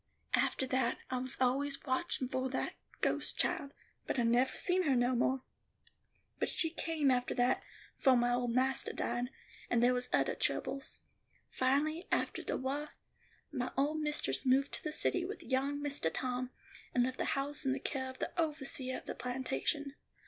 "Aftah that, I was always watchin' for that ghost child, but I nevah seen her no more. But she came after that, fo' my old mastah died; and there was othah troubles. Finally, aftah the wah, my old mistress moved to the city with young Mistah Tom, and left the house in the care of the overseeah of the plantation.